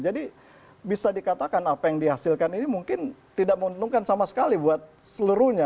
jadi bisa dikatakan apa yang dihasilkan ini mungkin tidak menuntunkan sama sekali buat seluruhnya